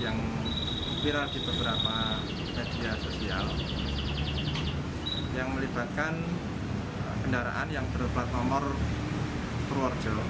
yang melibatkan kendaraan yang berpelat nomor purworejo